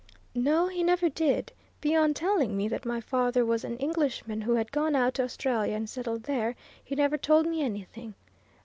"No, he never did. Beyond telling me that my father was an Englishman who had gone out to Australia and settled there, he never told me anything.